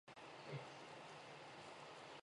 这类测试的测试人往往是厂商的专业车手。